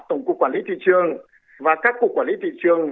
tổng cục quản lý thị trường và các cục quản lý thị trường